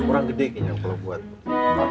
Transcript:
kurang gede kayaknya kalau buat enggak usah